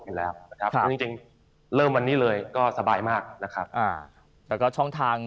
อยู่แล้วนะครับจริงจริงเริ่มวันนี้เลยก็สบายมากนะครับอ่าแล้วก็ช่องทาง